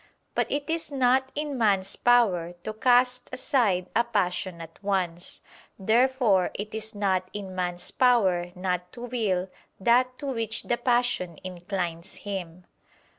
But it is not in man's power to cast aside a passion at once. Therefore it is not in man's power not to will that to which the passion inclines him.